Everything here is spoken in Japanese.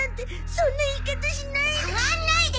そんな言い方しないで。